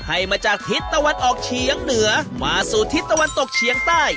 ให้มาจากทิศตะวันออกเฉียงเหนือมาสู่ทิศตะวันตกเฉียงใต้